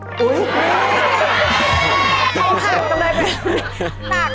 เท่าข้างกำไรเป็น